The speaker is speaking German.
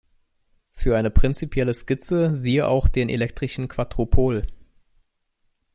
Für eine prinzipielle Skizze siehe auch den elektrischen Quadrupol.